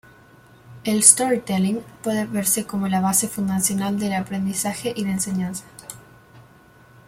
El "storytelling" puede verse como la base fundacional del aprendizaje y la enseñanza.